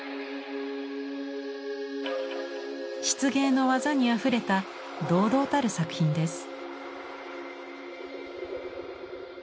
漆芸の技にあふれた堂々たる作品です。